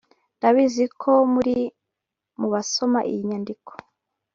ndabizi ko muri mu basoma iyi nyandiko